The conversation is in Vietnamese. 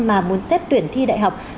mà muốn xét tuyển thi đại học